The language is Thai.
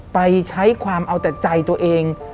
ไปใช้ความเอาแต่ใจตัวเอง